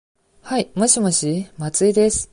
はい、もしもし、松井です。